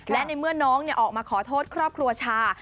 และในเมื่อน้องออกมาขอโทษครอบครัวชา